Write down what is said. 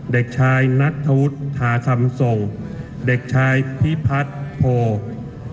เด็กชายนัทธวุฒิทาคำส่งเด็กชายพิพัฒน์โพก